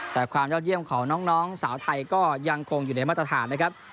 แต่ความยอดเยี่ยมของน้องสาวไทยก็ยังคงอยู่ในมาตรฐานนะครับ